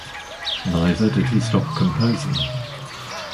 Neither did he stop composing.